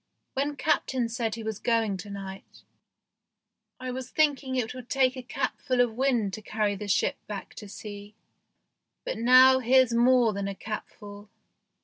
" When Captain said he was going to night, I was thinking it would take a capful of wind to carry the ship back to sea, but now here's more than a capful."